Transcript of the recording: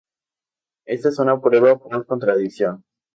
Esta es una prueba por contradicción.